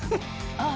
ああ。